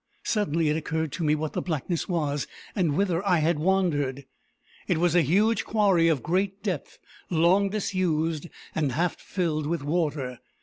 Suddenly it occurred to me what the blackness was, and whither I had wandered. It was a huge quarry, of great depth, long disused, and half filled with water.